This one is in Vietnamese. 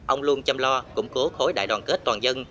ông luôn chăm lo củng cố khối đại đoàn kết toàn dân